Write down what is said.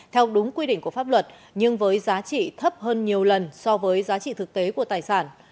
theo đúng quy định của pháp luật nhưng với giá trị thấp hơn nhiều lần so với giá trị thực tế của tài sản